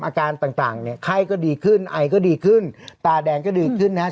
อาการต่างเนี่ยไข้ก็ดีขึ้นไอก็ดีขึ้นตาแดงก็ดีขึ้นนะครับ